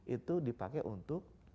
itu dipakai untuk